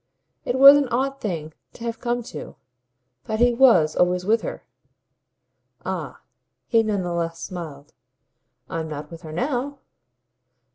It was an odd thing to have come to, but he WAS always with her. "Ah," he none the less smiled, "I'm not with her now."